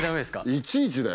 いちいちだよ